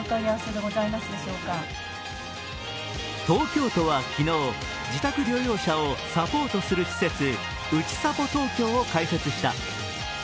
東京都は昨日、自宅療養者をサポートする施設うちさぽ東京を開設した。